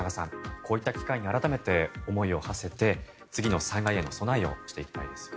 こういった機会に改めて思いをはせて次の災害への備えをしていきたいですね。